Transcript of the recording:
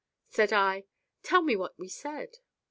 Said I: 'Tell me what we said.